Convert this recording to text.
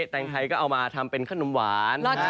แต่งไทยก็เอามาทำเป็นขนมหวาน